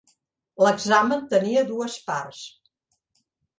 L'examen tenia dues parts.